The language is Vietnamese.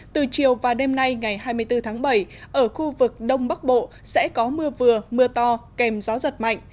từ chiều và đêm nay ngày hai mươi bốn tháng bảy ở khu vực đông bắc bộ sẽ có mưa vừa mưa to kèm gió giật mạnh